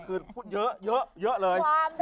คุณพูดเยอะเยอะเลย